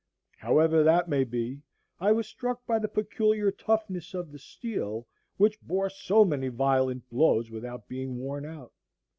However that may be, I was struck by the peculiar toughness of the steel which bore so many violent blows without being worn out.